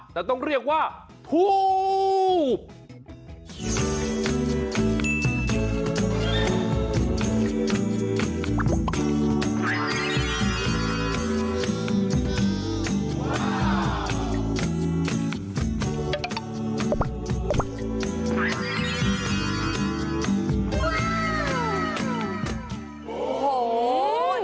แต่ต้องเรียกว่าทูบ